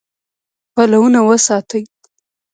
پلونه وساتئ